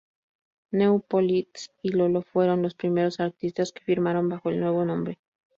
New Politics y Lolo fueron los primeros artistas que firmaron bajo el nuevo nombre.